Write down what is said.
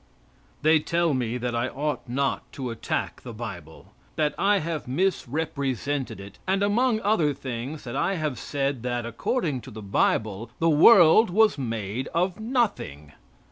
They tell me that I ought not to attack the bible that I have misrepresented it, and among other things that I have said that, according to the bible, the world was made of nothing.